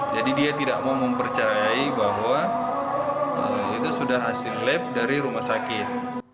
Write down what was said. jadi dia tidak mau mempercayai bahwa itu sudah hasil lab dari rumah sakit